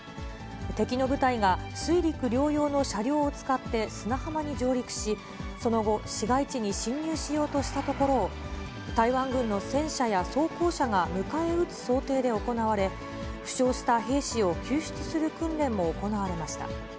敵の部隊が水陸両用の車両を使って砂浜に上陸し、その後、市街地に侵入しようとしたところを、台湾軍の戦車や装甲車が迎え撃つ想定で行われ、負傷した兵士を救出する訓練も行われました。